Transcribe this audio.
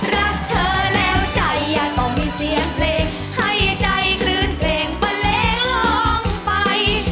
รักเธอแล้วใจต้องมีเสียงเพลงให้ใจคลื่นเตรงเบลงลงไป